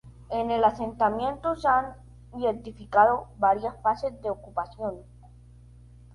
En el asentamiento se han identificado varias fases de ocupación.